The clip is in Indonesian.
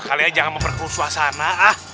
udah kalian jangan memperkusuah sana